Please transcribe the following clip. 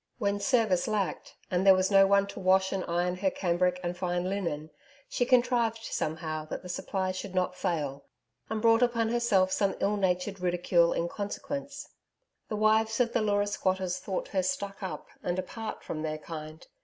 When service lacked, and there was no one to wash and iron her cambric and fine linen, she contrived somehow that the supply should not fail, and brought upon herself some ill natured ridiculed in consequence. The wives of the Leura squatters thought her 'stuck up' and apart from their kind.